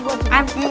udah lagi ambil dua